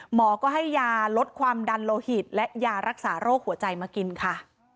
หมอก็ให้ยาลดความดันโลหิตและยารักษาโรคหัวใจมากินค่ะ